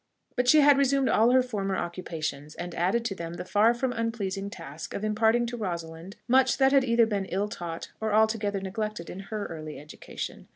But she had resumed all her former occupations, and added to them the far from unpleasing task of imparting to Rosalind much that had either been ill taught or altogether neglected in her early education.